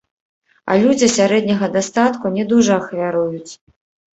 А людзі сярэдняга дастатку не дужа ахвяруюць.